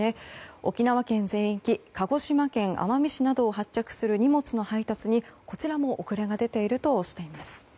沖縄県全域鹿児島県奄美市などを発着する荷物の配達などにこちらも遅れが出ているとしています。